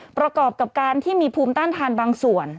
ประกอบกับการที่มีภูมิต้านทานบางส่วน